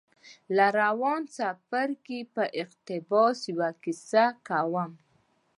له روان څپرکي په اقتباس يوه کيسه کوم.